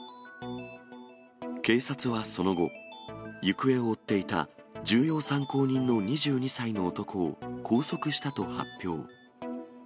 警察はその後、行方を追っていた重要参考人の２２歳の男を拘束したと発表。